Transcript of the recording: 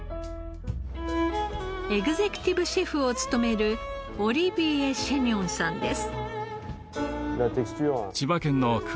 エグゼクティブシェフを務めるオリヴィエ・シェニョンさんです。